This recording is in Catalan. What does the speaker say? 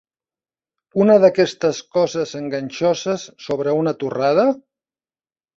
Una d'aquestes coses enganxoses sobre una torrada?